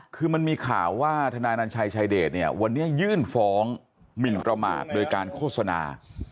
คือมันมีข่าวว่าทนายนัญชัยชายเดชเนี่ยวันนี้ยื่นฟ้องหมินประมาทโดยการโฆษณา